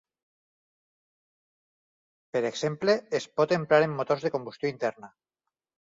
Per exemple, es pot emprar en motors de combustió interna.